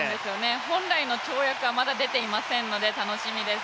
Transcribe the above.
本来の跳躍はまだ出ていませんので、楽しみです。